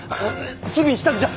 すぐに支度じゃ！